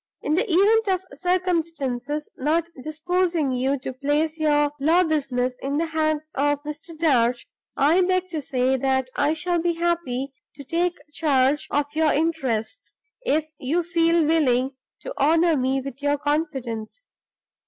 "In the event of circumstances not disposing you to place your law business in the hands of Mr. Darch, I beg to say that I shall be happy to take charge of your interests, if you feel willing to honor me with your confidence.